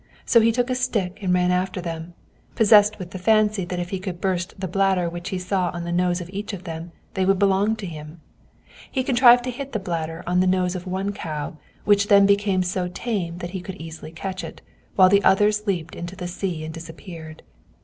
So he took a stick and ran after them, possessed with the fancy that if he could burst the bladder which he saw on the nose of each of them, they would belong to him. He contrived to hit the bladder on the nose of one cow, which then became so tame that he could easily catch it, while the others leaped into the sea and disappeared.